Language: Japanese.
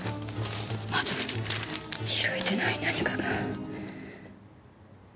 まだ拾えてない何かが。